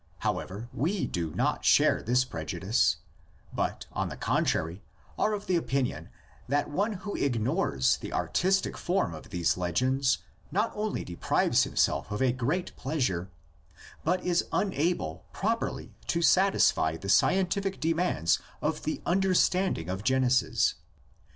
However, we do not share this prejudice, but, on the contrary, are of the opinion that one who ignores the artistic form of these legends not only deprives himself of a great pleasure, but is unable properly to satisfy the scientific demands of the understanding of Genesis.